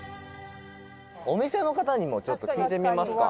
「お店の方にもちょっと聞いてみますか」